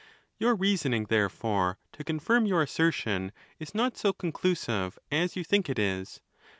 Your reasoning, therefore, to confirm your assertion is not so conclusive as you think it is.